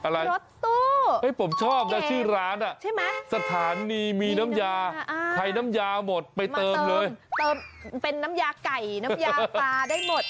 รถตู้ชื่อร้านอ่ะสถานีมีน้ำยาไข่น้ำยาหมดเป็นน้ำยาไก่น้ำยาปลาได้หมด